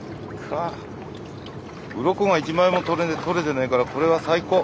うろこが一枚も取れてないからこれは最高。